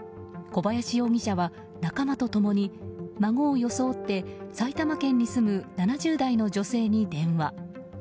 小林容疑者は仲間と共に孫を装って埼玉県に住む７０代の女性に電話。